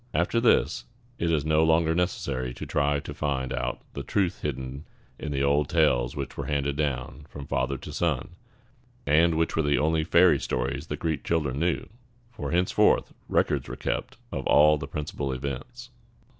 After this, it is no longer necessary to try to find out the truth hidden in the old tales which were handed down from father to son, and which were the only fairy stories the Greek children knew; for henceforth records were kept of all the principal events.